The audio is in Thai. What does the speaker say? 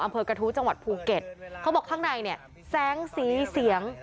อำเภอกระทู้จังหวัดภูเก็ตเขาบอกข้างในเนี่ยแสงสีเสียง